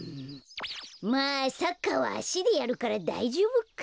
まあサッカーはあしでやるからだいじょうぶか。